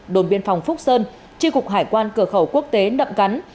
đồn biên phòng phúc sơn tri cục hải quan cửa khẩu quốc tế nậm cắn